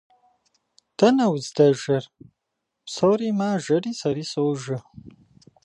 – Дэнэ уздэжэр? – Псори мажэри сэри сожэ.